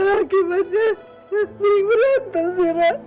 akibatnya si ibu berantem zira